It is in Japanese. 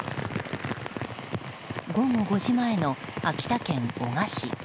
午後５時前の秋田県男鹿市。